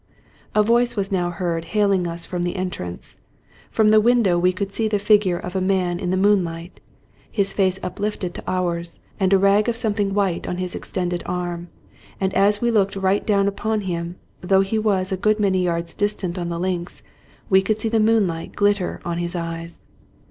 A voice was now heard hailing us from the entrance. From the window we could see the figure of a man in the moonlight; he stood motionless, his face uplifted to ours, and a rag of something white on his extended arm ; and as we looked right down upon him, though he was a good many yards distant on the links, we could see the moon light glitter on his eyes.